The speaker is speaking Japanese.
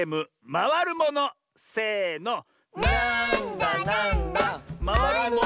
「まわるものなんだ？」